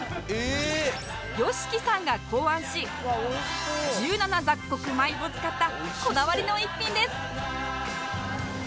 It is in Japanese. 義希さんが考案し１７雑穀米を使ったこだわりの逸品です